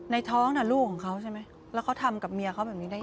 ในท้องน่ะลูกของเขาใช่ไหมแล้วเขาทำกับเมียเขาแบบนี้ได้ยังไง